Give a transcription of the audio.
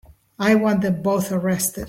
I want them both arrested.